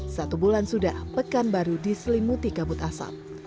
satu bulan sudah pekanbaru diselimuti kabut asap